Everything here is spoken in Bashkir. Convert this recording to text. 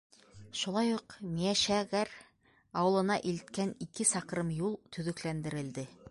Шулай уҡ Миәшәгәр ауылына илткән ике саҡрым юл төҙөкләндерелде.